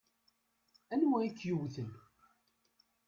Anwa i k-yewwten?